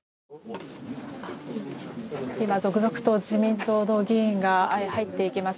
今、続々と自民党の議員が入っていきます。